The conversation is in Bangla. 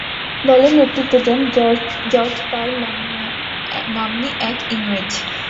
দলের নেতৃত্ব দেন "জর্জ পার" নাম্নী এক ইংরেজ।